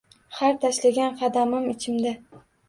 Har tashlagan qadamim ichimda